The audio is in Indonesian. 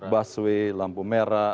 busway lampu merah